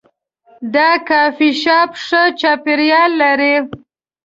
دا کافي شاپ ښه چاپیریال لري.